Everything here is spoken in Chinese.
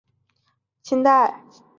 十八里汰戏楼的历史年代为清代。